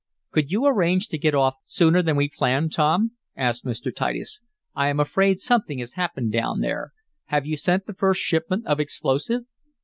"Could you arrange to get off sooner than we planned, Tom?" asked Mr. Titus. "I am afraid something has happened down there. Have you sent the first shipment of explosive?"